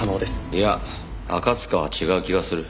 いや赤塚は違う気がする。